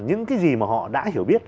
những cái gì mà họ đã hiểu biết